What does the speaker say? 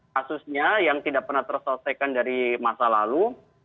kasusnya yang tidak pernah terselesaikan dari masa lalu